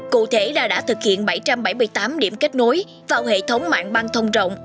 cụ thể là đã thực hiện bảy trăm bảy mươi tám điểm kết nối vào hệ thống mạng băng thông rộng